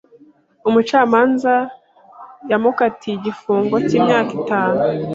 Umucamanza yamukatiye igifungo cy'imyaka itanu.